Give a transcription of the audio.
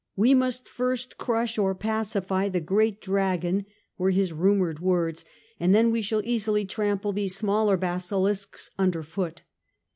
" We must first crush or pacify the great dragon," were A NEW ENEMY 219 his rumoured words ;" and then we shall easily trample these smaller basilisks under foot."